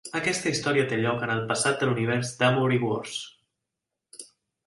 Aquesta història té lloc en el passat de l'univers d'Amory Wars.